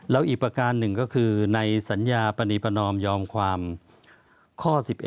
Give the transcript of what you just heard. แล้วอีกประการหนึ่งก็คือในสัญญาปณีประนอมยอมความข้อ๑๑